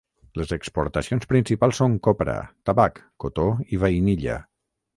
Les exportacions principals són copra, tabac, cotó i vainilla.